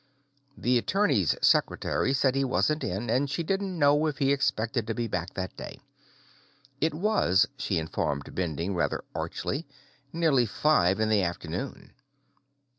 The attorney's secretary said he wasn't in, and she didn't know if he expected to be back that day. It was, she informed Bending rather archly, nearly five in the afternoon.